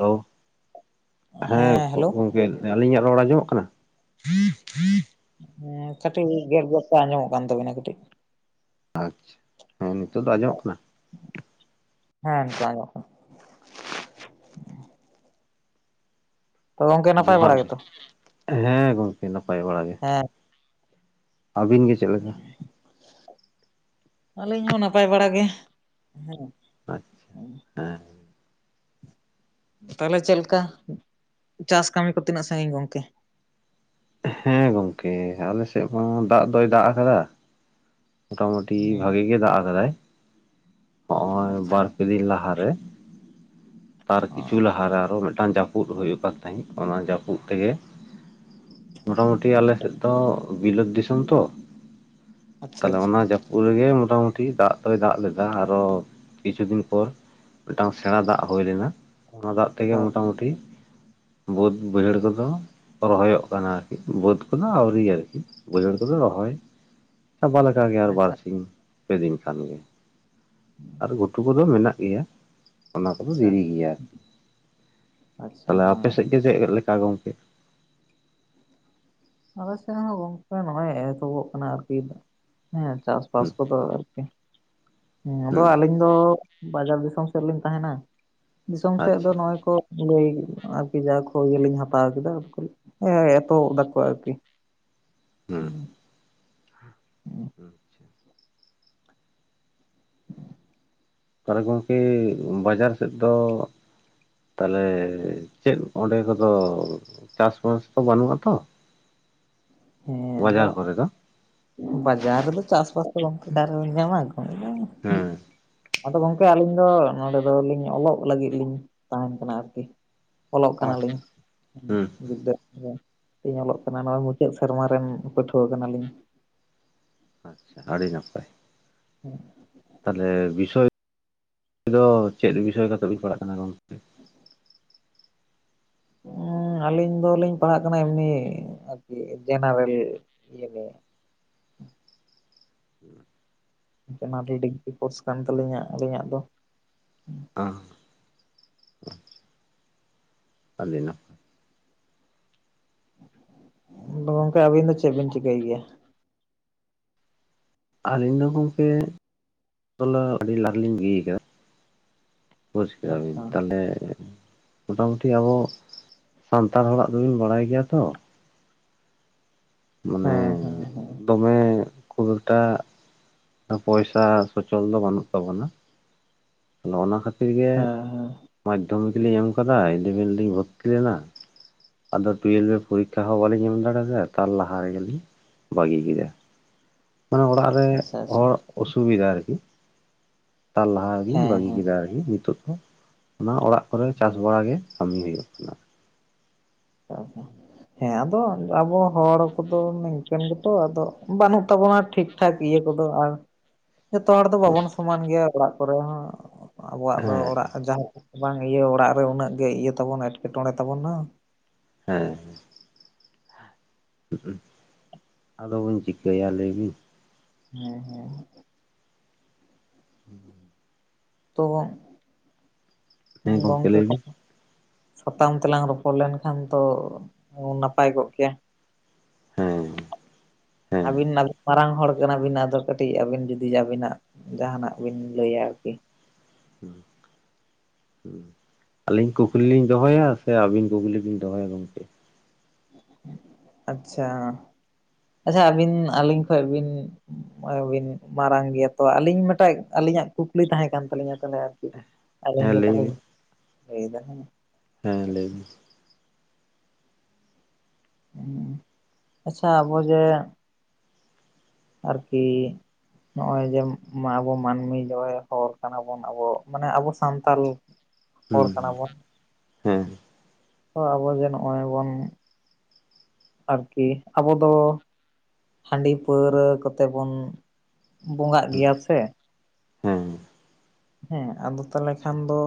ᱞᱳ ᱦᱮᱸ ᱜᱚᱝᱠᱮ ᱟᱹᱞᱤᱧᱟᱜ ᱨᱚᱲ ᱟᱸᱡᱚᱢᱚᱜ ᱠᱟᱱᱟ? ᱦᱮᱸ ᱠᱟᱹᱴᱤᱡ ᱜᱮᱯ ᱜᱮᱯ ᱛᱮ ᱟᱸᱡᱚᱢᱚᱜ ᱛᱟᱵᱤᱱᱟ ᱠᱟᱹᱴᱤᱡ᱾ ᱟᱪᱪᱷᱟ ᱦᱮᱸ ᱱᱤᱛᱚᱜ ᱫᱚ ᱟᱸᱡᱚᱢ ᱠᱟᱱᱟ? ᱦᱮᱸ ᱱᱤᱛᱚᱜ ᱟᱸᱡᱚᱢᱼᱚᱜ ᱠᱟᱱᱟ᱾ ᱛᱚ ᱜᱚᱝᱠᱮ ᱱᱟᱯᱟᱭ ᱡᱚᱦᱟᱨ ᱵᱟᱲᱟ ᱜᱮ ᱜᱮᱛᱚ? ᱦᱮᱸ ᱜᱚᱝᱠᱮ ᱱᱟᱯᱟᱭ ᱵᱟᱲᱟ ᱜᱮ᱾ ᱦᱮᱸ ᱟᱹᱵᱤᱱ ᱜᱮ ᱪᱮᱜ ᱞᱮᱠᱟ? ᱟᱹᱞᱤᱧ ᱦᱚᱸ ᱱᱟᱯᱟᱭ ᱵᱟᱲᱟ ᱜᱮ ᱦᱮᱸ᱾ ᱟᱪᱪᱷᱟ ᱦᱮᱸ ᱛᱟᱦᱞᱮ ᱪᱮᱜ ᱞᱮᱠᱟ ᱪᱟᱥ ᱠᱟᱹᱢᱤ ᱠᱚ ᱛᱤᱱᱟᱹᱜ ᱥᱟᱺᱜᱤᱧ ᱜᱚᱝᱠᱮ? ᱦᱮᱸ ᱜᱚᱢᱠᱮ ᱟᱞᱮ ᱥᱮᱜ ᱢᱟ ᱫᱟᱜ ᱫᱚᱭ ᱫᱟᱜ ᱠᱟᱫᱟ᱾ ᱢᱚᱴᱟ ᱢᱩᱴᱤ ᱦᱮᱸ ᱵᱷᱟᱜᱮ ᱜᱮ ᱫᱟᱜ ᱟᱠᱟᱫᱟᱭ᱾ ᱦᱚᱸᱜᱼᱚᱭ ᱟᱪᱪᱷᱟ ᱵᱟᱨ ᱯᱮ ᱫᱤᱱ ᱞᱟᱦᱟ ᱨᱮ᱾ ᱛᱟᱨ ᱚ ᱠᱤᱪᱷᱩ ᱞᱟᱦᱟᱨᱮ ᱟᱨᱚ ᱢᱤᱫᱴᱟᱱ ᱡᱟᱹᱯᱩᱫ ᱦᱩᱭᱩᱜ ᱠᱟᱱ ᱛᱟᱦᱮᱸᱫ᱾ ᱚᱱᱟ ᱡᱟᱹᱯᱩᱫ ᱛᱮᱜᱮ ᱢᱚᱴᱟ ᱢᱩᱴᱤ ᱟᱞᱮᱥᱮᱫ ᱫᱚ ᱵᱤᱞᱟᱹᱛ ᱫᱤᱥᱚᱢ ᱛᱚ᱾ ᱟᱪᱪᱷᱟ ᱛᱟᱞᱦᱮ ᱟᱪᱪᱷᱟ ᱚᱱᱟ ᱡᱟᱹᱯᱩᱫ ᱨᱮᱜᱮ ᱢᱚᱴᱟᱢᱩᱴᱤ ᱫᱟᱜ ᱫᱚᱭ ᱫᱟᱜ ᱞᱮᱫᱟ᱾ ᱟᱨᱚ ᱠᱤᱪᱷᱩ ᱫᱤᱱ ᱯᱚᱨ ᱢᱤᱜᱴᱟᱝ ᱥᱮᱬᱟ ᱫᱟᱜ ᱦᱩᱭ ᱞᱮᱱᱟ, ᱚᱱᱟ ᱫᱟᱜ ᱛᱮᱜᱮ ᱦᱳᱭ ᱢᱳᱴᱟᱢᱩᱴᱤ ᱵᱟᱹᱫᱽ ᱵᱟᱹᱭᱦᱟᱹᱲ ᱠᱚᱫᱚ ᱨᱚᱦᱚᱭᱼᱚᱜ ᱠᱟᱱᱟ ᱟᱨᱠᱤ ᱵᱟᱹᱫᱽ ᱠᱚᱫᱚ ᱟᱣᱨᱤ ᱟᱨᱠᱤ ᱵᱟᱹᱭᱦᱟᱹᱲ ᱠᱚᱫᱚ ᱨᱚᱦᱚᱭ ᱪᱟᱵᱟ ᱞᱮᱠᱟᱜᱮ ᱟᱨ ᱟᱪᱪᱷᱟ ᱵᱟᱨᱥᱤᱧ ᱯᱮᱫᱤᱱ ᱠᱷᱟᱱ ᱜᱮ᱾ ᱟᱨ ᱜᱷᱩᱴᱩ ᱠᱚᱫᱚ ᱢᱮᱱᱟᱜ ᱜᱮᱭᱟ ᱚᱱᱟ ᱠᱚᱫᱚ ᱟᱪᱪᱷᱟ ᱫᱮᱨᱤ ᱜᱮᱭᱟ ᱾ ᱟᱪᱪᱷᱟ ᱦᱮᱸ, ᱟᱯᱮ ᱥᱮᱫ ᱜᱮ ᱪᱮᱫ ᱞᱮᱠᱟ ᱜᱚᱢᱠᱮ? ᱟᱞᱮ ᱥᱮᱫ ᱦᱚᱸ ᱜᱚᱝᱠᱮ ᱱᱚᱜᱼᱚᱭ ᱮᱛᱚᱵᱚᱜ ᱠᱟᱱᱟ ᱟᱨᱠᱤ, ᱦᱮᱸ ᱪᱟᱥ ᱵᱟᱥ ᱦᱩᱸ ᱠᱚᱫᱚ ᱟᱨᱠᱤ ᱦᱮᱸ ᱟᱫᱚ ᱦᱩᱸ ᱟᱹᱞᱤᱧ, ᱫᱚ ᱵᱟᱡᱟᱨ ᱫᱤᱥᱚᱢ ᱥᱮᱫ ᱨᱮᱞᱤᱧ ᱛᱟᱦᱮᱱᱟ ᱫᱤᱥᱚᱢ ᱥᱮᱫ ᱫᱚ ᱟᱪᱪᱷᱟ ᱱᱚᱜᱼᱚᱭ ᱠᱚ ᱞᱟᱹᱭ ᱟᱨᱠᱤ ᱡᱟ ᱠᱚ ᱤᱭᱟᱹ ᱞᱤᱧ ᱦᱟᱛᱟᱣ ᱠᱮᱫᱟ ᱠᱚ ᱦᱮᱸ ᱮᱛᱚᱦᱚᱵ ᱫᱟᱠᱚ ᱟᱨᱠᱤ, ᱦᱩᱸ ᱟᱪᱪᱷᱟ, ᱛᱟᱦᱚᱞᱮ ᱜᱚᱝᱠᱮ ᱵᱟᱡᱟᱨ ᱥᱮᱫ ᱫᱚ, ᱛᱟᱦᱚᱞᱮ ᱪᱮᱫ ᱚᱸᱰᱮ ᱠᱚᱫᱚ ᱪᱟᱥ ᱵᱟᱥ ᱠᱚ ᱵᱟᱹᱱᱩᱜᱼᱟ ᱛᱚ ᱦᱮᱸ ᱟᱫᱚ ᱵᱟᱡᱟᱨ ᱠᱚᱨᱮ ᱫᱚ ᱵᱟᱡᱟᱨ ᱨᱮᱫᱚ, ᱪᱟᱥᱵᱟᱥ ᱫᱚ ᱚᱠᱟᱨᱮᱵᱚᱱ ᱧᱟᱢᱟ ᱫᱚᱢᱮ ᱫᱚ, ᱦᱮᱸ ᱟᱫᱚ ᱜᱚᱝᱠᱮ ᱟᱹᱞᱤᱧ ᱫᱚ ᱱᱚᱸᱰᱮ ᱫᱚᱞᱤᱧ ᱚᱞᱼᱚᱜ ᱞᱟᱹᱜᱤᱫ ᱞᱤᱧ ᱛᱟᱦᱮᱱ ᱠᱟᱱᱟ ᱟᱨᱠᱤ, ᱚᱞᱚᱜ ᱟᱪᱪᱷᱟ ᱠᱟᱱᱟᱞᱤᱧ ᱦᱩᱸ [unintelligible] ᱦᱮ ᱚᱞᱚᱜ ᱠᱟᱱᱟ ᱱᱚᱜᱼᱚᱭ ᱢᱩᱪᱟᱹᱫ ᱥᱮᱨᱢᱟ ᱨᱮᱱ ᱯᱟᱹᱴᱷᱩᱣᱟᱹ ᱠᱟᱱᱟᱞᱤᱧ ᱾ ᱟᱪᱪᱷᱟ ᱟᱹᱰᱤ ᱱᱟᱯᱟᱭ, ᱦᱮᱸ ᱛᱟᱦᱚᱞᱮ ᱵᱤᱥᱚᱭ ᱫᱚ ᱪᱮᱫ ᱵᱤᱥᱚᱭ ᱠᱟᱛᱮᱫ ᱵᱤᱱ ᱯᱟᱲᱦᱟᱜ ᱠᱟᱱᱟ ᱜᱚᱢᱠᱮ? ᱟᱹᱞᱤᱧ ᱫᱚᱞᱤᱧ ᱯᱟᱲᱦᱟᱜ ᱠᱟᱱᱟ ᱮᱢᱱᱤ ᱟᱨᱠᱤ ᱡᱮᱱᱟᱨᱮᱞ ᱤᱭᱟᱹ ᱨᱮ, [inaudible] ᱡᱮᱱᱟᱨᱮᱞ ᱰᱤᱜᱽᱨᱤ ᱠᱳᱨᱥ ᱠᱟᱱ ᱛᱟᱹᱞᱤᱧᱟ ᱟᱹᱞᱤᱧᱟᱜ ᱫᱚ, ᱚᱸ [unintelligible] ᱟᱫᱚ ᱜᱚᱝᱠᱮ ᱟᱹᱵᱤᱱ ᱫᱚ ᱪᱮᱫ ᱵᱤᱱ ᱪᱤᱠᱟᱹᱭ ᱜᱮᱭᱟ? ᱟᱹᱞᱤᱧ ᱫᱚ ᱜᱚᱢᱠᱮ ᱛᱚᱞᱟ ᱟᱹᱰᱤ ᱞᱟᱦᱟ ᱞᱤᱧ ᱜᱤ ᱟᱠᱟᱫᱟ ᱵᱩᱡᱽ ᱠᱮᱫᱟ ᱵᱤᱱ ᱟᱪᱪᱷᱟ ᱛᱟᱦᱚᱞᱮ, ᱢᱚᱴᱟ ᱢᱩᱴᱤ ᱟᱵᱚ ᱥᱟᱱᱛᱟᱲ ᱦᱚᱲᱟᱜ ᱫᱚᱵᱤᱱ ᱵᱟᱲᱟᱭ ᱜᱮᱭᱟ ᱛᱚ, ᱢᱟᱱᱮ ᱦᱮᱸ ᱦᱮᱸ ᱦᱮᱸ ᱫᱚᱢᱮ ᱠᱷᱩᱵ ᱮᱠᱴᱟ ᱯᱚᱭᱥᱟ ᱥᱚᱼᱪᱚᱞ ᱫᱚ ᱵᱟᱹᱱᱩᱜ ᱛᱟᱵᱚᱱᱟ ᱾ ᱟᱫᱚ ᱚᱱᱟ ᱠᱷᱟᱹᱛᱤᱨ ᱜᱮ ᱦᱮᱸ ᱦᱮᱸ ᱢᱟᱫᱽᱫᱷᱚᱢᱤᱠ ᱞᱤᱧ ᱮᱢ ᱠᱟᱫᱟ ᱤᱞᱤᱵᱷᱮᱱ ᱞᱤᱧ ᱵᱷᱚᱨᱛᱤ ᱞᱮᱱᱟ ᱾ ᱟᱫᱚ ᱴᱩᱭᱮᱞᱵᱷ ᱨᱮ ᱯᱚᱨᱤᱠᱠᱷᱟ ᱦᱚᱸ ᱵᱟᱞᱤᱧ ᱮᱢ ᱫᱟᱲᱮ ᱟᱫᱟ ᱛᱟᱨ ᱞᱟᱦᱟ ᱨᱮᱜᱮᱞᱤᱧ ᱵᱟᱜᱤ ᱠᱮᱫᱟ ᱢᱟᱱᱮ ᱚᱲᱟᱜ ᱨᱮ ᱟᱪᱪᱷᱟ ᱟᱪᱪᱷᱟ ᱦᱚᱲ ᱚᱥᱩᱵᱤᱫᱷᱟ ᱟᱨᱠᱤ, ᱛᱟᱨ ᱞᱟᱦᱟ ᱜᱮᱞᱤᱧ ᱦᱮᱸ ᱵᱟᱹᱜᱤ ᱦᱮᱸ ᱠᱮᱫᱟ ᱟᱨᱠᱤ, ᱱᱤᱛᱚᱜ ᱫᱚ ᱚᱱᱟ ᱚᱲᱟᱜ ᱠᱚᱨᱮ ᱪᱟᱥ ᱵᱟᱲᱟ ᱜᱮ ᱠᱟᱹᱢᱤ ᱦᱩᱭᱩᱜ ᱠᱟᱱᱟ ᱾ ᱦᱮ ᱛᱚ ᱦᱮᱸ ᱟᱫᱚ ᱟᱵᱚ ᱦᱚᱲ ᱠᱚᱫᱚ ᱱᱤᱝᱠᱟᱹᱱ ᱜᱮᱛᱚ ᱟᱫᱚ ᱵᱟᱹᱱᱩᱜ ᱛᱟᱵᱚᱱᱟ ᱴᱷᱤᱠ, ᱴᱷᱟᱡ ᱤᱭᱟᱹ ᱠᱚᱫᱚ ᱟᱨ ᱡᱚᱛᱚ ᱦᱚᱲ ᱫᱚ ᱵᱟᱵᱚᱱ ᱥᱚᱢᱟᱱ ᱜᱮᱭᱟ ᱚᱲᱟᱜ ᱠᱚᱨᱮ ᱦᱚᱸ ᱟᱵᱚᱣᱟᱜ ᱫᱚ ᱦᱮᱸ ᱚᱲᱟᱜ ᱡᱟᱸᱦᱟ ᱵᱟᱝ ᱤᱭᱟᱹ ᱚᱲᱟᱜ ᱨᱮ ᱩᱱᱟᱹᱜ ᱜᱮ ᱤᱭᱟᱹ ᱛᱟᱵᱚᱱ ᱮᱴᱠᱮᱴᱚᱬᱮ ᱛᱟᱵᱚᱱ ᱵᱟᱝ, ᱦᱮᱸ, ᱦᱩᱸᱜ ᱟᱫᱚ ᱵᱚᱱ ᱪᱤᱠᱟᱹᱭᱟ ᱞᱟᱹᱭ ᱵᱤᱱ ᱦᱮᱸ ᱦᱮᱸ, ᱦᱩᱸ ᱛᱚ ᱦᱮᱸ ᱜᱚᱢᱠᱮ ᱜᱚᱝᱠᱮ ᱞᱟᱹᱭ ᱠᱚ ᱵᱤᱱ ᱥᱟᱛᱟᱢ ᱛᱮᱞᱟᱝ ᱨᱚᱯᱚᱲ ᱞᱮᱱ ᱠᱷᱟᱱ ᱫᱚ ᱱᱟᱯᱟᱭ ᱠᱚᱜ ᱜᱮᱭᱟ ᱦᱮᱸ, ᱦᱮᱸ ᱟᱵᱤᱱ ᱱᱟᱜᱼ [unintelligible] ᱢᱟᱨᱟᱝ ᱦᱚᱲ ᱠᱟᱱᱟᱵᱤᱱ ᱟᱫᱚ ᱠᱟᱹᱴᱤᱡ ᱟᱹᱵᱤᱱ ᱡᱩᱫᱤ ᱟᱵᱤᱱᱟᱜ ᱡᱟᱦᱟᱱᱟᱜ ᱵᱤᱱ ᱞᱟᱹᱭᱟ ᱟᱨ ᱠᱤ ᱦᱩᱸ ᱦᱩᱸ ᱟᱹᱞᱤᱧ ᱠᱩᱠᱞᱤ ᱞᱤᱧ ᱫᱚᱦᱚᱭᱟ ᱥᱮ ᱟᱹᱵᱤᱱ ᱠᱩᱠᱞᱤ ᱵᱤᱱ ᱫᱚᱦᱚᱭᱟ ᱜᱚᱝᱠᱮ, ᱟᱪᱪᱷᱟ, ᱟᱪᱪᱷᱟ ᱟᱹᱵᱤᱱ ᱟᱹᱞᱤᱧ ᱠᱷᱚᱡ ᱵᱤᱱ, ᱦᱚᱸᱜ-ᱚᱭ ᱵᱤᱱ ᱢᱟᱨᱟᱝ ᱜᱮᱭᱟ ᱛᱚ ᱟᱞᱤᱧ ᱢᱤᱫᱴᱟᱝ ᱟᱞᱤᱧᱟᱜ ᱠᱩᱠᱞᱤ ᱛᱟᱦᱮᱸ ᱠᱟᱱ ᱛᱟᱞᱤᱧᱟ ᱛᱟᱦᱚᱞᱮ ᱟᱞᱤᱧ ᱦᱮᱸ ᱜᱮ ᱞᱟᱹᱭ ᱛᱟᱦᱚᱞᱮ ᱵᱤᱱ ᱤᱧ ᱞᱟᱹᱭ ᱫᱟ ᱦᱮᱸ ᱞᱟᱹᱭ ᱵᱤᱱ ᱦᱩᱸ ᱟᱪᱪᱷᱟ ᱟᱵᱚ ᱡᱮ ᱟᱨ ᱠᱤᱻ ᱱᱚᱜᱼᱚᱭ ᱡᱮ ᱟᱵᱚ ᱢᱟᱱᱢᱤ [unintelligible] ᱦᱚᱲ ᱠᱟᱱᱟ ᱵᱚᱱ ᱟᱵᱚ ᱢᱟᱱᱮ ᱟᱵᱚ ᱥᱟᱱᱛᱟᱞ ᱦᱚᱲ ᱠᱟᱱᱟ ᱦᱩᱸ ᱵᱚᱱ ᱦᱮᱸ ᱛᱚ ᱟᱵᱚ ᱡᱮ ᱱᱚᱜᱼᱚᱭ ᱵᱚᱱ ᱟᱨ ᱠᱤ ᱟᱵᱚ ᱫᱚ ᱦᱟᱺᱰᱤ ᱯᱟᱹᱣᱨᱟᱹ ᱠᱚᱛᱮ ᱵᱚᱱ ᱵᱚᱸᱜᱟᱜ ᱦᱮᱸ ᱜᱮᱭᱟ ᱥᱮ ᱦᱮᱸ ᱦᱮᱸ ᱟᱫᱚ ᱛᱟᱦᱚᱞᱮ ᱠᱷᱟᱱ ᱫᱚ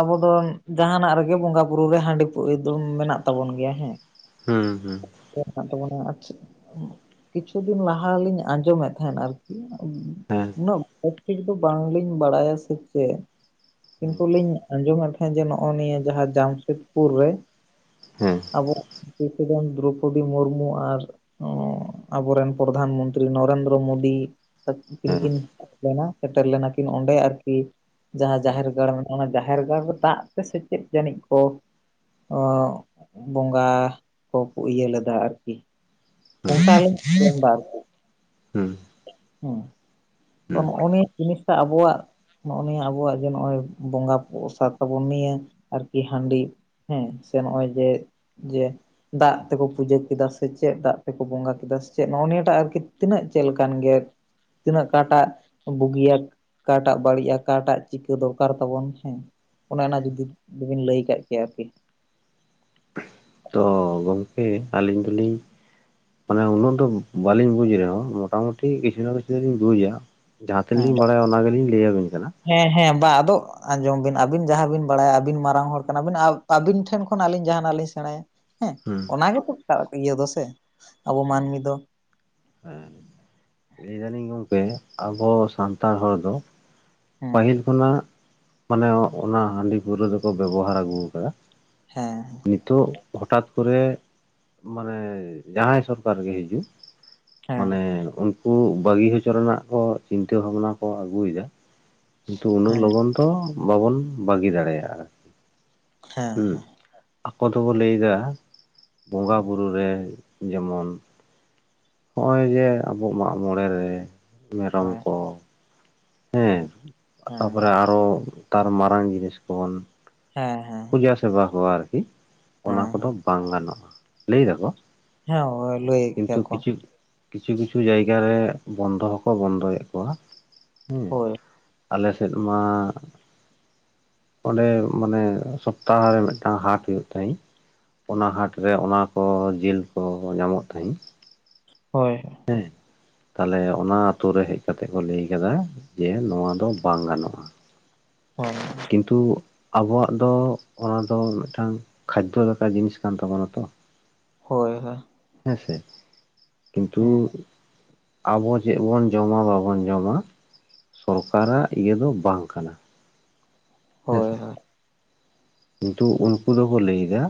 ᱟᱵᱚ ᱫᱚ ᱡᱟᱦᱟᱸ ᱱᱟᱜ ᱨᱮᱜᱮ ᱵᱚᱸᱜᱟ ᱵᱩᱨᱩ ᱨᱮ ᱦᱟᱺᱰᱤ [unintelligible] ᱫᱚ ᱢᱮᱱᱟᱜ ᱛᱟᱵᱚᱱ ᱜᱮᱭᱟ ᱦᱮᱸ ᱦᱩᱸ ᱦᱩᱸ [unintelligible] ᱛᱟᱵᱚᱱ ᱟᱨ ᱪᱮᱫ, ᱠᱤᱪᱷᱩ ᱫᱤᱱ ᱞᱟᱦᱟᱞᱤᱧ ᱟᱸᱡᱚᱢᱮᱫ ᱛᱟᱦᱮᱸᱫ ᱟᱨᱠᱤ ᱦᱮᱸ ᱩᱱᱟᱹᱜ ᱵᱮᱥ ᱴᱷᱤᱠ ᱫᱚ ᱵᱟᱝᱞᱤᱧ ᱵᱟᱲᱟᱭᱟ ᱥᱮ ᱪᱮᱫ ᱦᱮᱸ ᱠᱤᱱᱛᱩ ᱞᱤᱧ ᱟᱸᱡᱚᱢᱮᱫ ᱛᱟᱦᱮᱸᱫ ᱡᱮ ᱱᱚᱜᱼᱚᱭ ᱱᱤᱭᱟᱹ ᱡᱟᱦᱟᱸ ᱡᱟᱢᱥᱮᱫᱽᱯᱩᱨ ᱨᱮ ᱦᱮᱸ ᱟᱵᱚ ᱯᱨᱮᱥᱤᱰᱮᱱᱰ ᱫᱨᱚᱯᱚᱫᱤ ᱢᱩᱨᱢᱩ ᱟᱨ ᱟᱵᱚ ᱨᱮᱱ ᱯᱨᱚᱫᱷᱟᱱ ᱢᱚᱱᱛᱨᱤ ᱱᱚᱨᱮᱱᱫᱨᱚ ᱢᱳᱫᱤ ᱛᱟᱠᱤᱱ ᱦᱮᱸ ᱠᱤᱱ ᱦᱮᱡ ᱞᱮᱱᱟ ᱥᱮᱴᱮᱨ ᱞᱮᱱᱟ ᱠᱤᱱ ᱚᱸᱰᱮ ᱟᱨ ᱠᱤ ᱡᱟᱸᱦᱟ ᱡᱟᱦᱮᱨ ᱜᱟᱲ ᱢᱮᱱᱟᱜᱼᱟ᱾ ᱚᱱᱟ ᱡᱟᱦᱮᱨ ᱜᱟᱲ ᱨᱮ ᱫᱟᱜ ᱛᱮ ᱥᱮ ᱪᱮᱫ ᱡᱟᱹᱱᱤᱡ ᱠᱚ ᱚ ᱵᱚᱸᱜᱟ ᱠᱚ ᱤᱭᱟᱹ ᱞᱮᱫᱟ ᱟᱨ ᱠᱤ ᱚᱱᱠᱟ ᱦᱩᱸ ᱟᱞᱤᱧ ᱟᱸᱡᱚᱢ ᱫᱟ ᱟᱨᱠᱤ ᱦᱩᱸ ᱦᱮᱸ᱾ ᱛᱚ ᱱᱚᱜᱼᱚ ᱱᱤᱭᱟᱹ ᱡᱤᱱᱤᱥ ᱴᱟᱜ ᱟᱵᱚᱣᱟᱜ ᱱᱚᱜᱼᱚ ᱱᱤᱭᱟᱹ ᱟᱵᱚᱣᱟᱜ ᱡᱮ ᱱᱚᱜᱼᱚᱭ ᱵᱚᱸᱜᱟ ᱯᱨᱚᱥᱟᱛ ᱛᱟᱵᱚᱱ ᱱᱤᱭᱟᱹ ᱟᱨ ᱠᱤ ᱦᱟᱺᱰᱤ ᱦᱮᱸ ᱥᱮ ᱱᱚᱜᱼᱚᱭ ᱡᱮ ᱡᱮ ᱫᱟᱜ ᱛᱮᱠᱚ ᱯᱩᱡᱟᱹ ᱠᱮᱫᱟ ᱥᱮ ᱪᱮᱫ ᱫᱟᱜ ᱛᱮ ᱠᱚ ᱵᱚᱸᱜᱟ ᱠᱮᱫᱟ ᱥᱮ ᱪᱮᱫ ᱱᱚᱜᱼᱚ ᱱᱤᱭᱟᱹ ᱴᱟᱜ ᱟᱨᱠᱤ ᱛᱤᱱᱟᱹᱜ ᱪᱮᱫ ᱞᱮᱠᱟᱱ ᱜᱮ ᱛᱤᱱᱟᱹᱜ ᱟᱠᱟᱴᱟᱜ ᱵᱩᱜᱤᱭᱟ ᱟᱠᱟᱴᱟᱜ ᱵᱟᱲᱤᱡᱼᱟ ᱟᱠᱟᱴᱟᱜ ᱪᱤᱠᱟᱹ ᱫᱚᱨᱠᱟᱨ ᱛᱟᱵᱚᱱ ᱦᱮᱸ ᱚᱱᱮ ᱚᱱᱟ ᱡᱩᱫᱤ ᱫᱩᱵᱤᱱ ᱞᱟᱹᱭ ᱠᱟᱜ ᱠᱮᱭᱟ ᱟᱨᱠᱤ ᱛᱚ ᱜᱚᱢᱠᱮ ᱟᱞᱤᱧ ᱫᱩᱞᱤᱧ ᱢᱟᱱᱮ ᱩᱱᱟᱹᱜ ᱫᱚ ᱵᱟᱞᱤᱧ ᱵᱩᱡ ᱨᱮᱦᱚᱸ ᱢᱚᱴᱟ ᱢᱩᱴᱤ ᱠᱤᱪᱷᱩ ᱱᱟ ᱠᱤᱪᱷᱩ ᱫᱚᱞᱤᱧ ᱵᱩᱡᱟ ᱡᱟᱦᱟᱸ ᱛᱤᱱᱟ ᱦᱮᱸ ᱞᱤᱧ ᱵᱟᱲᱟᱭᱟ ᱚᱱᱟ ᱜᱮᱞᱤᱧ ᱞᱟᱹᱭᱟ ᱵᱤᱱ ᱠᱟᱱᱟ ᱦᱮᱸ ᱦᱮᱸ ᱵᱟ ᱟᱫᱚ ᱟᱸᱡᱚᱢ ᱵᱤᱱ ᱟᱵᱤᱱ ᱡᱟᱦᱟᱸ ᱵᱤᱱ ᱵᱟᱲᱟᱭᱼᱟ ᱟᱵᱤᱱ ᱢᱟᱨᱟᱝ ᱦᱚᱲ ᱠᱟᱱᱟ ᱵᱤᱱ ᱟᱵᱤᱱ ᱴᱷᱮᱱ ᱠᱷᱚᱱ ᱟᱞᱤᱧ ᱡᱟᱦᱟᱸ ᱱᱟᱜ ᱞᱤᱧ ᱥᱮᱬᱟᱭᱟ ᱦᱮᱸ ᱦᱩᱸ ᱚᱱᱟ ᱜᱮᱛᱚ [unintelligible] ᱤᱭᱟᱹ ᱫᱚ ᱥᱮ ᱟᱵᱚ ᱢᱟᱱᱢᱤ ᱫᱚ ᱦᱮᱸ ᱞᱟᱹᱭ ᱫᱟᱞᱤᱧ ᱜᱚᱢᱠᱮ ᱟᱵᱚ ᱥᱟᱱᱛᱟᱲ ᱦᱚᱲ ᱫᱚ ᱦᱮᱸ ᱯᱟᱹᱦᱤᱞ ᱠᱷᱚᱱᱟᱜ ᱢᱟᱱᱮ ᱚᱱᱟ ᱦᱟᱺᱰᱤ ᱯᱟᱹᱣᱨᱟᱹ ᱫᱚᱠᱚ ᱵᱮᱵᱚᱦᱟᱨ ᱟᱜᱩ ᱠᱟᱫᱟ ᱦᱮᱸ ᱱᱤᱛᱚᱜ ᱦᱚᱴᱟᱛ ᱠᱚᱨᱮ ᱢᱟᱱᱮ ᱡᱟᱦᱟᱸᱭ ᱥᱚᱨᱠᱟᱨ ᱜᱮ ᱦᱤᱡᱩᱜ ᱦᱮᱸ ᱢᱟᱱᱮ ᱩᱱᱠᱩ ᱵᱟᱹᱜᱤ ᱦᱚᱪᱚ ᱨᱮᱱᱟᱜ ᱠᱚ ᱪᱤᱱᱛᱟᱹ ᱵᱷᱟᱵᱱᱟ ᱠᱚ ᱟᱜᱩᱭ ᱫᱟ ᱠᱤᱱᱛᱩ ᱩᱱᱟᱹᱜ ᱦᱮᱸ ᱞᱚᱜᱚᱱ ᱫᱚ ᱵᱟᱵᱚᱱ ᱵᱟᱜᱤ ᱫᱟᱲᱮᱭᱟᱜᱼᱟ ᱦᱮᱸ ᱦᱩᱸ ᱦᱮᱸ ᱟᱠᱚ ᱫᱚᱵᱚ ᱞᱟᱹᱭ ᱫᱟ ᱵᱚᱸᱜᱟ ᱵᱩᱨᱩ ᱨᱮ ᱡᱮᱢᱚᱱ ᱦᱚᱸᱜᱼᱚᱭ ᱡᱮ ᱟᱵᱚ ᱢᱟᱜ ᱢᱚᱬᱮ ᱨᱮ ᱢᱮᱨᱚᱢ ᱦᱳᱭ ᱠᱚ ᱦᱮᱸ ᱦᱮᱸ ᱛᱟᱯᱚᱨᱮ ᱟᱨᱚ ᱛᱟᱨ ᱢᱟᱨᱟᱝ ᱡᱤᱱᱤᱥ ᱠᱚᱵᱚᱱ ᱦᱮᱸ ᱦᱮᱸ ᱦᱮᱸ ᱯᱩᱡᱟ ᱥᱮᱵᱟ ᱠᱚ ᱟᱨᱠᱤ ᱚᱱᱟ ᱦᱮᱸ ᱠᱚᱫᱚ ᱵᱟᱝ ᱜᱟᱱᱚᱜᱼᱟ ᱞᱟᱹᱭ ᱫᱟᱠᱚ ᱦᱮᱸ ᱦᱳᱭ ᱞᱟᱹᱭᱮᱫ ᱜᱮᱭᱟ ᱠᱤᱱᱛᱩ ᱠᱚ ᱠᱤᱪᱷᱩᱠ ᱠᱤᱪᱷᱩ ᱠᱤᱪᱷᱩ ᱡᱟᱭᱜᱟ ᱨᱮ ᱵᱚᱱᱫᱚ ᱦᱚᱸᱠᱚ ᱵᱚᱱᱫᱚ ᱭᱮᱫ ᱠᱚᱣᱟ ᱦᱮᱸ ᱦᱳᱭ ᱟᱞᱮᱥᱮᱫ ᱢᱟ ᱚᱸᱰᱮ ᱢᱟᱱᱮ᱾ ᱥᱚᱯᱛᱟᱦ ᱨᱮ ᱢᱤᱫᱴᱟᱝ ᱦᱟᱴ ᱦᱩᱭᱩᱜ ᱛᱟᱦᱸᱤᱡ᱾ ᱚᱱᱟ ᱦᱟᱴ ᱨᱮ ᱚᱱᱟ ᱠᱚ ᱡᱤᱞ ᱠᱚ ᱧᱟᱢᱚᱜ ᱛᱟᱦᱤᱸᱡ᱾ ᱦᱳᱭ᱾ ᱦᱮᱸ᱾ ᱛᱟᱞᱦᱮ ᱚᱱᱟ ᱟᱛᱳ ᱨᱮ ᱦᱮᱡ ᱠᱟᱛᱮᱜ ᱠᱚ ᱞᱟᱹᱭ ᱟᱠᱟᱫᱟ ᱡᱮ ᱱᱚᱣᱟ ᱫᱚ ᱵᱟᱝ ᱜᱟᱱᱚᱜᱼᱟ᱾ ᱦᱚᱭ᱾ ᱠᱤᱱᱛᱩ ᱟᱵᱚᱣᱟᱜ ᱫᱚ ᱚᱱᱟ ᱫᱚ ᱢᱤᱫᱴᱟᱝ ᱠᱷᱟᱡᱫᱚ ᱞᱮᱠᱟᱱ ᱡᱤᱱᱤᱥ ᱠᱟᱱ ᱛᱟᱵᱚᱱᱟ ᱛᱚ ᱦᱳᱭ ᱦᱳᱭ᱾ ᱦᱮᱸ ᱥᱮ, ᱠᱤᱱᱛᱩ ᱦᱩᱸ ᱟᱵᱚ ᱪᱮᱫ ᱵᱚᱱ ᱡᱚᱢᱟ ᱵᱟᱵᱚᱱ ᱡᱚᱢᱟ ᱥᱚᱨᱠᱟᱨᱟᱜ ᱤᱭᱟᱹ ᱫᱚ ᱵᱟᱝ ᱠᱟᱱᱟ ᱦᱮᱸᱥᱮ ᱦᱚᱭ ᱦᱚᱭ ᱠᱤᱱᱛᱩ ᱩᱱᱠᱩ ᱫᱚᱠᱚ ᱞᱟᱹᱭ ᱫᱟ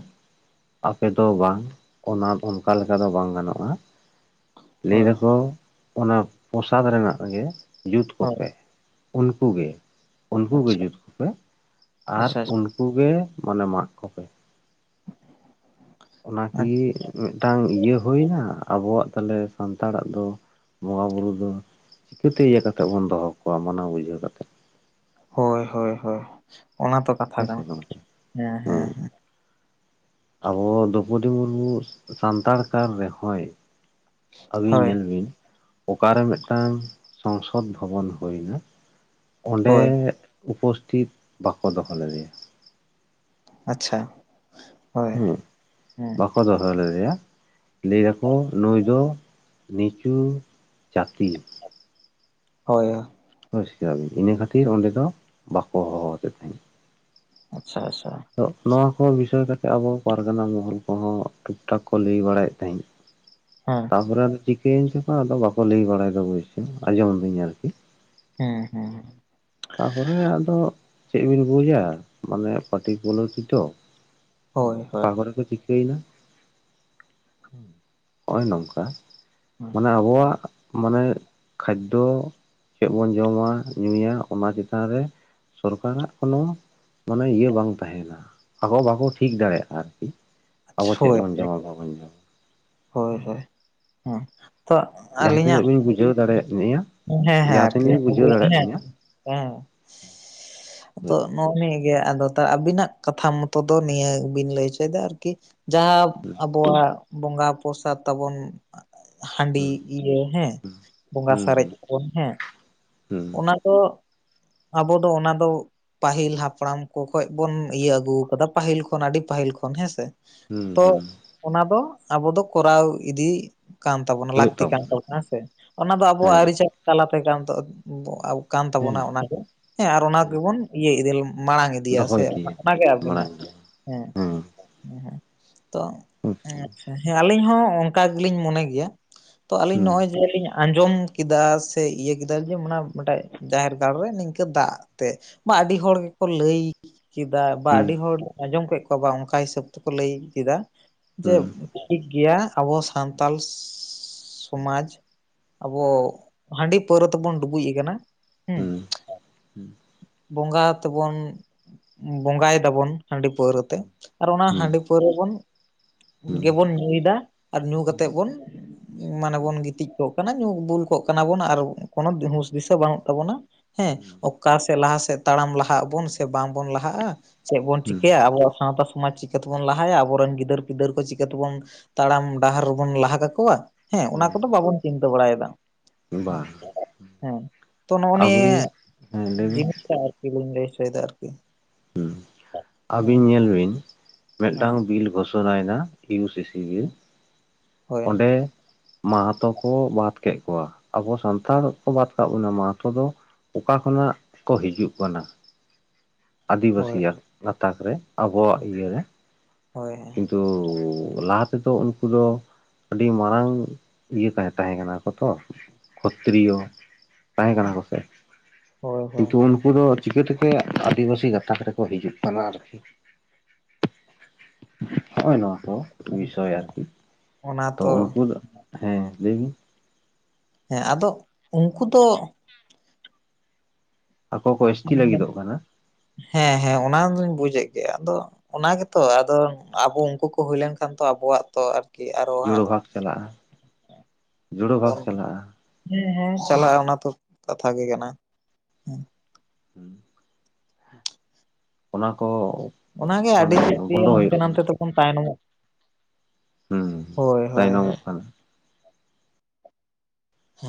ᱟᱯᱮᱫᱚ ᱵᱟᱝ ᱚᱱᱟ ᱫᱚ ᱚᱱᱠᱟ ᱞᱮᱠᱟ ᱫᱚ ᱵᱟᱝ ᱜᱟᱱᱚᱜᱼᱟ᱾ ᱞᱟᱹᱭ ᱦᱳᱭ ᱫᱟᱠᱚ ᱚᱱᱟ ᱯᱚᱥᱟᱫᱽ ᱨᱮᱱᱟᱜ ᱜᱮ ᱡᱩᱛ ᱦᱳᱭ ᱠᱚᱯᱮ᱾ ᱩᱱᱠᱩ ᱜᱮ, ᱩᱱᱠᱩᱜᱮ ᱟᱪᱪᱷᱟ ᱡᱩᱛ ᱠᱚᱯᱮ ᱟᱨ ᱟᱪᱪᱷᱟ ᱩᱱ, ᱩᱱᱠᱩ ᱜᱮ ᱢᱟᱱᱮ ᱢᱟᱜ ᱠᱚᱯᱮ᱾ ᱚᱱᱟᱠᱤ ᱢᱤᱫᱴᱟᱝ ᱤᱭᱟᱹ ᱦᱩᱭ ᱱᱟ ᱟᱵᱚᱣᱟᱜ ᱛᱟᱦᱚᱞᱮ ᱥᱟᱱᱛᱟᱲᱟᱜ ᱫᱚ ᱵᱚᱸᱜᱟ ᱵᱩᱨᱩ ᱫᱚ ᱪᱤᱠᱟᱹᱛᱮ ᱤᱭᱟᱹ ᱠᱟᱛᱮᱜ ᱵᱚᱱ ᱫᱚᱦᱚ ᱠᱚᱣᱟ ᱢᱟᱱᱟᱣ ᱵᱩᱡᱷᱟᱹᱣ ᱠᱟᱛᱮᱫ? ᱦᱳᱭ ᱦᱳᱭ ᱦᱳᱭ, ᱚᱱᱟ ᱛᱚ ᱠᱟᱛᱷᱟ ᱦᱮᱸ ᱥᱮ ᱠᱟᱱᱟ᱾ ᱜᱚᱝᱠᱮ ᱦᱮᱸ ᱦᱮᱸ ᱦᱮᱸ᱾ ᱟᱵᱚ ᱫᱨᱳᱯᱚᱫᱤ ᱢᱩᱨᱢᱩ ᱥᱟᱱᱛᱟᱲ ᱠᱟᱱ ᱨᱮᱦᱚᱸᱭ, ᱟᱹᱵᱤᱱ ᱦᱳᱭ ᱧᱮᱞ ᱵᱤᱱ ᱚᱠᱟᱨᱮ ᱢᱤᱫᱴᱟᱝ ᱥᱚᱝᱥᱚᱫᱽ ᱵᱷᱚᱵᱚᱱ ᱦᱩᱭ ᱮᱱᱟ ᱚᱸᱰᱮ ᱦᱳᱭ ᱩᱯᱚᱥᱛᱷᱤᱛ ᱵᱟᱠᱚ ᱫᱚᱦᱚ ᱞᱮᱫᱮᱭᱟ᱾ ᱟᱪᱪᱷᱟ, ᱦᱳᱭ, ᱦᱮᱸ᱾ ᱠᱚ ᱫᱚᱦᱚ ᱞᱫᱮᱭᱟ᱾ ᱞᱟᱹᱭ ᱫᱟᱠᱚ ᱱᱩᱭ ᱫᱚ ᱱᱤᱪᱩ ᱡᱟᱹᱛᱤ᱾ ᱦᱳᱭ᱾ ᱦᱚᱭ ᱤᱱᱟᱹ ᱠᱷᱟᱹᱛᱤᱨ ᱚᱸᱰᱮ ᱫᱚ ᱵᱟᱠᱚ ᱦᱚᱦᱚᱣᱟᱫᱮ ᱛᱟᱦᱮᱸᱫ᱾ ᱟᱪᱪᱷᱟ ᱟᱪᱷᱟ᱾ ᱛᱚ ᱱᱚᱣᱟ ᱠᱚ ᱵᱤᱥᱚᱭ ᱠᱟᱛᱮᱫ ᱟᱵᱚ ᱯᱟᱨᱜᱟᱱᱟ ᱢᱚᱦᱚᱞ ᱠᱚᱦᱚᱸ ᱴᱷᱤᱠ ᱴᱷᱟᱠ ᱠᱚ ᱞᱟᱹᱭ ᱵᱟᱲᱟᱭᱮᱫ ᱛᱟᱦᱮᱸᱫ᱾ ᱦᱮᱸ ᱛᱟᱯᱚᱨᱮ ᱟᱫᱚ ᱪᱤᱠᱟᱹᱭᱮᱱ ᱪᱚ ᱠᱚ ᱟᱫᱚ ᱵᱟᱠᱚ ᱞᱟᱹᱭ ᱵᱟᱲᱟᱭᱮᱫᱟ ᱟᱸᱡᱚᱢᱤᱫᱟᱹᱧ ᱟᱨᱠᱤ᱾ ᱦᱮᱸ᱾ ᱦᱮᱸ ᱛᱟᱯᱚᱨᱮ ᱟᱫᱚ ᱪᱮᱫ ᱵᱤᱱ ᱵᱩᱡᱟ ᱢᱟᱱᱮ ᱯᱟᱴᱤ ᱠᱚᱩᱞᱟᱹ ᱛᱤ ᱪᱚ᱾ ᱦᱳᱭ ᱦᱳᱭ ᱚᱠᱟ ᱠᱚᱨᱮ ᱠᱚ ᱪᱤᱠᱟᱹᱭᱮᱱᱟ ᱦᱚᱸᱜᱼᱚᱭ ᱱᱚᱝᱠᱟ᱾ ᱢᱟᱱᱮ ᱟᱵᱚᱣᱟᱜ ᱢᱟᱱᱮ ᱠᱷᱟᱫᱽᱫᱚ ᱪᱮᱫ ᱵᱚᱱ ᱡᱚᱢᱟ ᱧᱩᱭᱟ᱾ ᱚᱱᱟ ᱪᱮᱛᱟᱱ ᱨᱮ ᱥᱚᱨᱠᱟᱨᱟᱜ ᱠᱚᱱᱚ ᱢᱟᱱᱮ ᱤᱭᱟᱹ ᱵᱟᱝ ᱛᱟᱦᱮᱱᱟ᱾ ᱟᱠᱚ ᱵᱟᱠᱚ ᱴᱷᱤᱠ ᱫᱟᱲᱮᱭᱟᱜᱼᱟ ᱟᱨᱠᱤ ᱟᱵᱚ ᱟᱪᱪᱷᱟ ᱪᱮᱫ ᱦᱳᱭ ᱵᱚᱱ ᱦᱳᱭ ᱡᱚᱢᱟ ᱵᱟᱵᱚᱱ ᱡᱚᱢᱟ᱾ ᱦᱳᱭ ᱦᱳᱭ, ᱦᱮᱸ᱾ ᱛᱚ, ᱡᱟᱦᱟᱸ ᱟᱹᱞᱤᱧᱟᱜ ᱛᱤᱱᱟᱹᱜ ᱵᱤᱱ ᱵᱩᱡᱷᱟᱹᱣ ᱫᱟᱲᱮᱭᱟᱜ ᱞᱤᱧᱟᱹ ᱦᱮᱸ ᱦᱮᱸ ᱡᱟᱦᱟᱸ ᱟᱨᱠᱤ, ᱛᱤᱱᱟᱹᱜ ᱤᱧ ᱵᱩᱡᱷᱟᱹᱣ ᱦᱮᱸ᱾ ᱫᱟᱲᱮᱭᱟᱜ ᱦᱮᱸ᱾ ᱞᱤᱧᱟᱹ ᱟᱫᱚ ᱦᱩᱸ ᱱᱚᱜᱼᱚ ᱱᱤᱭᱟᱹᱜᱮ ᱟᱫᱚ ᱛᱟ ᱟᱵᱤᱱᱟᱜ ᱠᱟᱛᱷᱟ ᱢᱚᱛᱚ ᱫᱚ ᱱᱤᱭᱟᱹ ᱵᱤᱱ ᱞᱟᱹᱭ ᱚᱪᱚᱭᱫᱟ ᱟᱨᱠᱤ᱾ ᱡᱟᱦᱟᱸ ᱟᱵᱚᱣᱟᱜ ᱵᱚᱸᱜᱟ ᱯᱚᱨᱥᱟᱛ ᱛᱟᱵᱚᱱ, ᱦᱟᱺᱰᱤ ᱤᱭᱟᱹ ᱦᱮᱸ, ᱵᱚᱸᱜᱟ ᱥᱟᱨᱮᱡ ᱦᱩᱸ ᱟᱵᱚᱱ ᱦᱮᱸ, ᱚᱱᱟ ᱫᱚ ᱟᱵᱚ ᱫᱚ ᱚᱱᱟ ᱫᱚ ᱯᱟᱹᱦᱤᱞ ᱦᱟᱯᱲᱟᱢ ᱠᱚ ᱠᱷᱚᱡ ᱵᱚᱱ ᱤᱭᱟᱹ ᱟᱹᱜᱩ ᱟᱠᱟᱫᱟ᱾ ᱯᱟᱹᱟᱦᱤᱞ ᱠᱷᱚᱱ ᱟᱹᱰᱤ ᱯᱟᱹᱦᱤᱞ ᱠᱷᱚᱱ ᱦᱮᱸᱥᱮ? ᱦᱩᱸ ᱛᱚ ᱦᱩᱸ᱾ ᱚᱱᱟ ᱫᱚ ᱟᱵᱚ ᱫᱚ ᱠᱚᱨᱟᱣ ᱤᱫᱤ ᱠᱟᱱ ᱛᱟᱵᱚᱱᱟ, ᱞᱟᱹᱠᱛᱤ ᱠᱟᱱ ᱛᱟᱵᱚᱱᱟ᱾ ᱦᱮᱸᱥᱮ, ᱚᱱᱟ ᱫᱚ ᱟᱵᱚᱣᱟᱜ ᱦᱮᱸ ᱟᱹᱨᱤᱪᱟᱹᱞᱤ ᱛᱟᱞᱟᱛᱮ ᱠᱟᱱᱼᱼ [inaudible] ᱠᱟᱱ ᱦᱮᱸ ᱛᱟᱵᱚᱱᱟ ᱚᱱᱟ ᱜᱮ, ᱦᱮᱸ ᱟᱨ ᱚᱱᱟ ᱦᱮᱸ ᱜᱮᱵᱚᱱ ᱤᱭᱟᱹ ᱤᱫᱮᱞ ᱢᱟᱲᱟᱝ ᱤᱫᱤᱭᱟ ᱥᱮ ᱚᱱᱟᱜᱮ ᱢᱟᱲᱟᱝ ᱟᱵᱤᱱᱟᱜ ᱫᱚ ᱦᱮᱸ ᱦᱮᱸ ᱦᱮᱸ ᱛᱚ ᱦᱮᱸ ᱟᱪᱪᱷᱟ ᱦᱮᱸ ᱟᱞᱤᱧ ᱦᱚᱸ ᱚᱱᱠᱟ ᱜᱮᱞᱤᱧ ᱢᱚᱱᱮ ᱜᱮᱭᱟ ᱛᱚ ᱟᱹᱞᱤᱧ ᱦᱩᱸ ᱱᱚᱜᱼᱚᱭ ᱡᱮ ᱟᱞᱤᱧᱟᱜ ᱟᱸᱡᱚᱢ ᱠᱮᱫᱟ ᱥᱮ ᱤᱭᱟᱹ ᱠᱮᱫᱟ ᱚᱱᱟ ᱢᱤᱫᱴᱮᱡ ᱡᱟᱦᱮᱨ ᱜᱟᱲ ᱨᱮ, ᱱᱤᱝᱠᱟᱹ ᱫᱟᱜ ᱛᱮ ᱢᱟ ᱟᱹᱰᱤ ᱦᱚᱲ ᱜᱮᱠᱚ ᱞᱟᱹᱭ ᱠᱮᱫᱟ ᱵᱟ ᱦᱩᱸ ᱟᱹᱰᱤ ᱦᱚᱲ ᱟᱸᱡᱚᱢ ᱠᱮᱫ ᱠᱚᱣᱟ ᱵᱟ ᱚᱱᱠᱟ ᱦᱤᱥᱟᱹᱵ ᱛᱮᱠᱚ ᱞᱟᱹᱭ ᱠᱮᱫᱟ, ᱡᱮ ᱦᱩᱸ ᱴᱷᱤᱠ ᱜᱮᱭᱟ ᱟᱵᱚ ᱥᱟᱱᱛᱟᱞ ᱥᱚᱢᱟᱡᱽ, ᱟᱵᱚ ᱦᱟᱺᱰᱤ ᱯᱟᱹᱣᱨᱟᱹ ᱛᱮᱵᱚᱱ ᱰᱩᱵᱩᱡ ᱟᱠᱟᱱᱟ ᱦᱩᱸ, ᱦᱩᱸ ᱦᱩᱸ ᱵᱚᱸᱜᱟ ᱛᱮᱵᱚᱱ ᱵᱚᱸᱜᱟ ᱭᱮᱫᱟᱵᱚᱱ ᱦᱟᱺᱰᱤ ᱯᱟᱹᱣᱨᱟᱹᱛᱮ, ᱟᱨ ᱚᱱᱟ ᱵᱟᱝ ᱦᱟᱺᱰᱤ ᱯᱟᱹᱣᱨᱟᱹ ᱵᱚᱱ ᱜᱮᱵᱚᱱ ᱧᱩᱭᱫᱟ ᱟᱫᱚ ᱧᱩ ᱠᱟᱛᱮᱫ ᱵᱚᱱ ᱢᱟᱱᱮ ᱵᱚᱱ ᱜᱤᱛᱤᱡ ᱠᱚᱜ ᱠᱟᱱᱟ ᱧᱩ ᱵᱩᱞ ᱠᱚᱜ ᱠᱟᱱᱟ ᱵᱚᱱ ᱟᱨ ᱠᱳᱱᱳ ᱦᱩᱥ ᱫᱤᱥᱟᱹ ᱵᱟᱹᱱᱩᱜ ᱛᱟᱵᱚᱱᱟ᱾ ᱦᱮᱸ ᱚᱠᱟ ᱥᱮᱫ ᱞᱟᱦᱟ ᱥᱮᱫ ᱛᱟᱲᱟᱢ ᱞᱟᱦᱟᱜ ᱟᱵᱚᱱ ᱥᱮ ᱵᱟᱝ ᱵᱚᱱ ᱞᱟᱦᱟᱜᱼᱟ᱾ ᱪᱮᱫ ᱵᱚᱱ ᱪᱤᱠᱟᱹᱭᱟ ᱟᱵᱚᱣᱟᱜ ᱥᱟᱶᱛᱟ ᱥᱚᱢᱟᱡᱽ ᱪᱤᱠᱟᱹᱛᱮᱵᱚᱱ ᱞᱟᱦᱟᱭᱟ ᱟᱵᱚᱨᱮᱱ ᱜᱤᱫᱟᱹᱨ ᱯᱤᱫᱟᱹᱨ ᱠᱚ ᱪᱤᱠᱟᱹᱛᱮᱵᱚᱱ ᱛᱟᱲᱟᱢ ᱰᱟᱦᱟᱨ ᱨᱮᱵᱚᱱ ᱞᱟᱦᱟ ᱠᱟᱠᱚᱣᱟ, ᱦᱮᱸ ᱚᱱᱟ ᱠᱚᱫᱚ ᱵᱟᱵᱚᱱ ᱪᱤᱱᱛᱟᱹ ᱵᱟᱲᱟᱭᱮᱫᱟ᱾ ᱵᱟᱝ ᱦᱮᱸ ᱛᱚ ᱱᱚᱜᱼ ᱱᱤᱭᱟᱹ ᱦᱮᱸ ᱞᱟᱹᱭ ᱵᱤᱱ ᱡᱤᱱᱤᱥᱴᱟ ᱟᱨᱠᱤ ᱞᱤᱧ ᱞᱟᱹᱭ ᱦᱚᱪᱚᱭᱮᱫᱟ ᱟᱨᱠᱤ, ᱦᱩᱸ ᱦᱮᱸ ᱟᱹᱵᱤᱱ ᱧᱮᱞ ᱵᱤᱱ ᱦᱮᱸ ᱢᱤᱫᱴᱟᱝ ᱵᱤᱞ ᱜᱷᱳᱥᱚᱱᱟᱭᱫᱟ ᱤᱭᱩᱥᱤᱥ [unintelligible] ᱥᱤᱵᱤᱞ, ᱦᱳᱭ ᱚᱸᱰᱮ ᱢᱟᱦᱛᱚ ᱠᱚ ᱵᱟᱫ ᱠᱮᱫ ᱠᱚᱣᱟ, ᱟᱵᱚ ᱥᱟᱱᱛᱟᱲ ᱠᱚ ᱵᱟᱫ ᱠᱟᱜ ᱵᱚᱱᱟ, ᱢᱟᱦᱛᱚ ᱫᱚ ᱚᱠᱟ ᱠᱷᱚᱱᱟᱜ ᱠᱚ ᱦᱤᱡᱩᱜ ᱠᱟᱱᱟ? ᱦᱳᱭ ᱟᱹᱫᱤᱵᱟᱹᱥᱤᱭᱟᱜ ᱜᱟᱛᱟᱠ ᱨᱮ ᱟᱵᱚᱣᱟᱜ ᱤᱭᱟᱹᱨᱮ ᱦᱳᱭ᱾ ᱠᱤᱱᱛᱩ ᱞᱟᱦᱟ ᱛᱮᱫᱚ ᱩᱱᱠᱩ ᱫᱚ ᱟᱹᱰᱤ ᱢᱟᱨᱟᱝ ᱤᱭᱟᱹ ᱠᱟ ᱛᱟᱦᱮᱸ ᱠᱟᱱᱟ ᱠᱚᱛᱚ, ᱠᱷᱚᱛᱨᱤᱭᱚ ᱛᱟᱦᱮᱸ ᱠᱟᱱᱟ ᱠᱚᱥᱮ ᱦᱳᱭ ᱦᱳᱭ ᱠᱤᱱᱛᱩ ᱩᱱᱠᱩ ᱫᱚ ᱪᱤᱠᱟᱹᱛᱮᱜᱮ ᱟᱹᱫᱤᱵᱟᱟᱹᱥᱤ ᱜᱟᱛᱟᱠ ᱨᱮᱠᱚ ᱦᱤᱡᱩᱜ ᱠᱟᱱᱟ ᱟᱨᱠᱤ᱾ ᱦᱚᱸ-ᱚ ᱱᱚᱣᱟ ᱠᱚ ᱯᱩᱭᱥᱟᱭᱟ ᱟᱨᱠᱤ ᱛᱚ ᱩᱱᱠᱩ ᱫᱚ, ᱦᱮᱸ ᱞᱟᱹᱭ ᱵᱤᱱ? ᱦᱮᱸ ᱟᱫᱚ ᱩᱱᱠᱩ ᱫᱚ ᱟᱠᱚ ᱠᱚ ᱮᱥᱴᱤ ᱞᱟᱹᱜᱤᱫᱚᱜ ᱠᱟᱱᱟ᱾ ᱦᱮᱸ ᱦᱮᱸ ᱚᱱᱟ ᱫᱩᱧ ᱵᱩᱡᱮᱫ ᱜᱮᱭᱟ, ᱟᱫᱚ ᱚᱱᱟ ᱜᱮᱛᱚ ᱟᱫᱚ ᱟᱵᱚ ᱩᱱᱠᱩ ᱠᱚ ᱦᱩᱭ ᱞᱮᱱᱠᱷᱟᱱ ᱛᱚ ᱟᱵᱚᱣᱟᱜ ᱛᱚ ᱟᱨᱚ ᱡᱳᱲ ᱦᱟᱸᱜ ᱵᱷᱟᱜᱽ ᱪᱟᱞᱟᱜᱼᱟ, ᱡᱳᱲᱳ ᱵᱷᱟᱜᱽ ᱪᱟᱞᱟᱜᱼᱟ᱾ ᱦᱩᱸ ᱦᱩᱸ ᱪᱟᱞᱟᱜᱼᱟ ᱚᱱᱟ ᱛᱚ, ᱠᱟᱛᱷᱟ ᱜᱮ ᱠᱟᱱᱟ᱾ ᱦᱩᱸ᱾ [inaudible] ᱚᱱᱟ ᱠᱚ ᱚᱱᱟᱜᱮ ᱟᱹᱰᱤ ᱢᱟᱱᱮ ᱡᱟᱹᱥᱛᱤ ᱵᱚᱱᱫᱚ ᱦᱩᱭᱩᱜ ᱦᱟᱱᱛᱮ ᱱᱟᱛᱮ ᱛᱟᱵᱚᱱᱟ ᱛᱮᱵᱚᱱ ᱛᱟᱭᱱᱚᱢᱚᱜ ᱦᱩᱸ ᱦᱳᱭ ᱦᱳᱭ ᱦᱳᱭ ᱛᱟᱭᱱᱚᱢᱚᱜ ᱠᱟᱱᱟ᱾ ᱦᱮᱸ